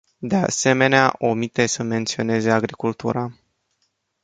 De asemenea, omite să menționeze agricultura.